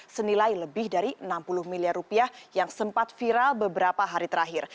senilai lebih dari enam puluh miliar rupiah yang sempat viral beberapa hari terakhir